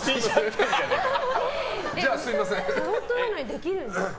タロット占いできるんですか？